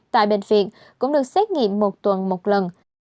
tại bệnh viện cũng được xét nghiệm một tuần một lần